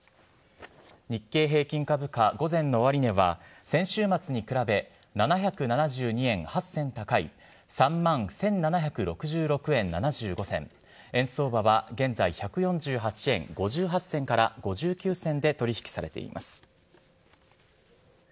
日経平均株価、午前の終値は、先週末に比べ７７２円８銭高い３万１７６６円７５銭、円相場は現在、１４８円５８銭から５９銭で取り引きされています。